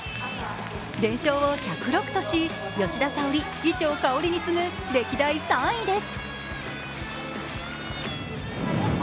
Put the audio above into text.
連勝を１０６とし、吉田沙保里、伊調馨に次ぐ歴代３位です。